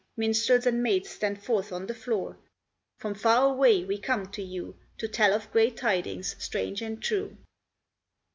Minstrels and maids, stand forth on the floor. From far away we come to you, To tell of great tidings, strange and true.